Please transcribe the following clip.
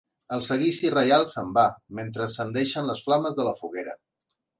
El seguici reial se'n va, mentre ascendeixen les flames de la foguera.